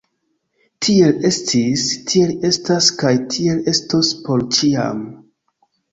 Tiel estis, tiel estas kaj tiel estos por ĉiam!